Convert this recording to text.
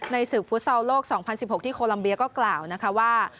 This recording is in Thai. ในศึกฟุตเซาล์โลก๒๐๑๖ที่โคลอัมเบียก็กล่าวว่า